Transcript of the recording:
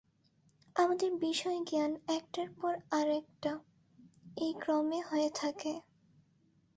আমাদের বিষয়-জ্ঞান একটার পর আর একটা, এই ক্রমে হয়ে থাকে।